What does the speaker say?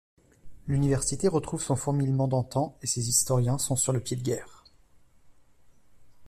L'Université retrouve son fourmillement d'antan et ses historiens sont sur le pied de guerre.